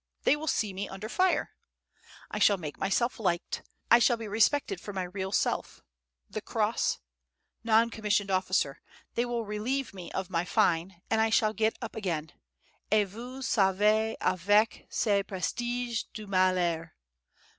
They will see me under fire. [Footnote: On me verra au feu.] I shall make myself liked; I shall be respected for my real self, the cross non commissioned officer; they will relieve me of my fine; and I shall get up again, et vous savez avec ce prestige du malheur!